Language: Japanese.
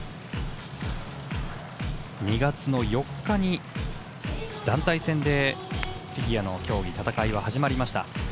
２月４日に団体戦でフィギュアの競技戦いは始まりました。